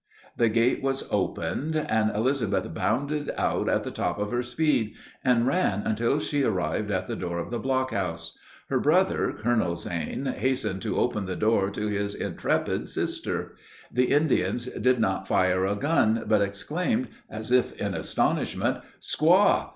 The gate was opened, and Elizabeth bounded out at the top of her speed, and ran until she arrived at the door of the blockhouse. Her brother, Colonel Zane, hastened to open the door to his intrepid sister. The Indians did not fire a gun, but exclaimed, as if in astonishment, "_Squaw!